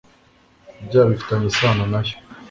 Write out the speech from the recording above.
ibyaha bifitanye isano na yo